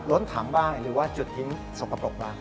ถังบ้างหรือว่าจุดทิ้งสกปรกบ้าง